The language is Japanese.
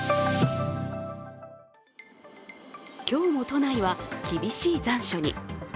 今日も都内は厳しい残暑に。